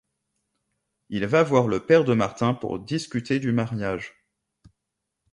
Il va voir le père de Martin pour discuter du mariage.